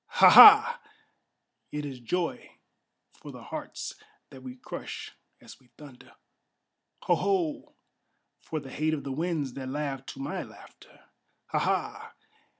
Ha! Ha! it is joy for the hearts that we crush as we thunder! Ho! Ho! for the hate of the winds that laugh to my laughter! Ha! Ha!